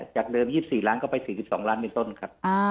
จากเดิม๒๔ล้านก็ไป๔๒ล้านในต้นครับ